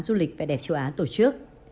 du lịch và đẹp châu á tổ chức